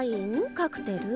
カクテル？